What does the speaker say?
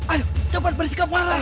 ayo cepat bersikap marah